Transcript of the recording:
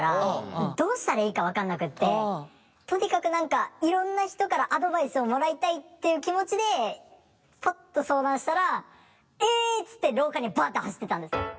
とにかく何かいろんな人からアドバイスをもらいたいっていう気持ちでポッと相談したら「え！」っつって廊下にバッて走ってったんです。